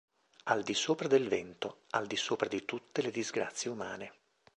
Al di sopra del vento, al disopra di tutte le disgrazie umane.